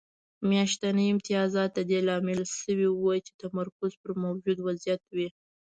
میاشتني امتیازات د دې لامل شوي وو چې تمرکز پر موجود وضعیت وي